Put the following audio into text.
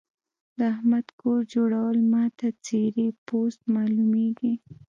د احمد کور جوړول ما ته څيرې پوست مالومېږي.